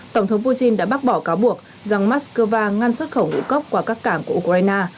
tổng thống putin đã bác bỏ cáo buộc rằng moscow ngăn xuất khẩu ngũ cốc qua các cảng của ukraine